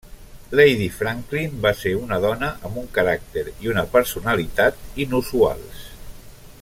Lady Franklin va ser una dona amb un caràcter i una personalitat inusuals.